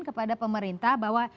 kepada pemerintah bahwa